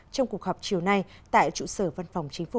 trong cuộc họp chiều nay tại trụ sở văn phòng chính phủ